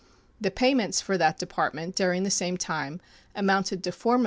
The payments for that Department during the same time amounted to $4,084,297.